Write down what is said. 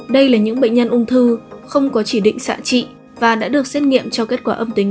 đây là những bệnh nhân ung thư không có chỉ định xạ trị và đã được xét nghiệm cho kết quả âm tính